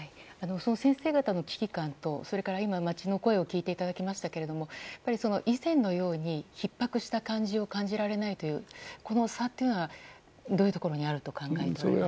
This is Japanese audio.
先生方の危機感と今、街の声を聞いていただきましたけど以前のようにひっ迫した感じを感じられないというこの差というのはどういうところにあると考えていますか。